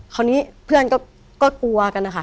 คราวนี้เพื่อนก็กลัวกันนะคะ